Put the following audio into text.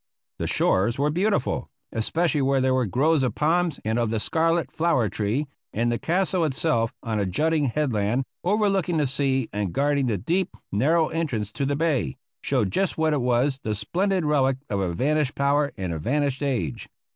The shores were beautiful, especially where there were groves of palms and of the scarlet flower tree, and the castle itself, on a jutting headland, overlooking the sea and guarding the deep, narrow entrance to the bay, showed just what it was, the splendid relic of a vanished power and a vanished age.